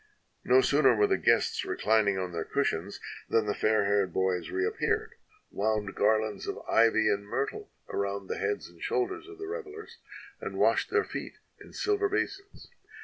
No sooner were the guests reclining on their cushions than the fair haired boys reappeared, wound garlands 193 EGYPT of ivy and myrtle around the heads and shoulders of the revelers, and washed their feet in silver basins.